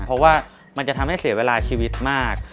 เพราะว่ามันจะทำให้เสียเวลาชีวิตมาก